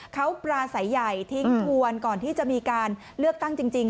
เขาปราศัยใหญ่ทิ้งทวนก่อนที่จะมีการเลือกตั้งจริง